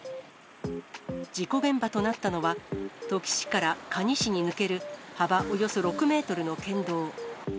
事故現場となったのは、土岐市から可児市に抜ける幅およそ６メートルの県道。